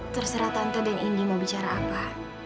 terserah tante dan indi mau bicara apa